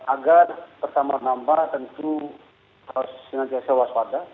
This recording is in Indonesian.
agar pertama nombor tentu harus senantiasa waspada